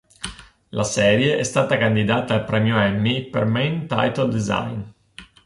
La serie è stata candidata al Premio Emmy per "Main Title Design".